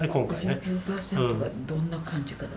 ６９％って、どんな感じかな？